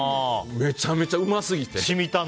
めちゃめちゃうますぎて。